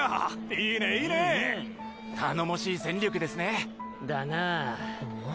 いいねいいね（頼もしい戦力ですねだなぁん？